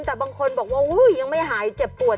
แต่บางคนบอกว่ายังไม่หายเจ็บปวด